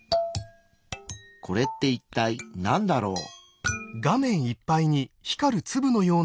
これって一体なんだろう？